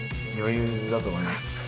余裕だと思います。